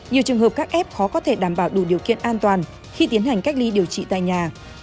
nhiều trường hợp các f khó có thể đảm bảo đủ điều kiện an toàn khi tiến hành cách ly điều trị tại nhà